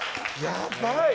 やばい！